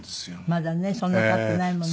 まだねそんな経っていないもんね。